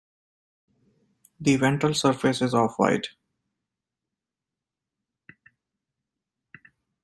The ventral surface is off-white.